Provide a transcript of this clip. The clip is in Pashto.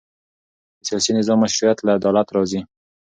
د سیاسي نظام مشروعیت له عدالت راځي